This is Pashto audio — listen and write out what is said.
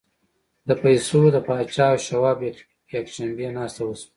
د پیسو د پاچا او شواب یکشنبې ناسته وشوه